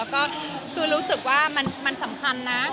ก็คือรู้สึกว่ามันสำคัญนะ